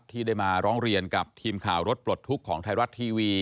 ที่ได้มาร้องเรียนกับทีมข่าวรถปลดทุกข์ของไทยรัฐทีวี